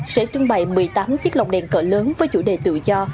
sẽ trưng bày một mươi tám chiếc lồng đèn cỡ lớn với chủ đề tự do